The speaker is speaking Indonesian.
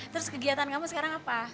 terus kegiatan kamu sekarang apa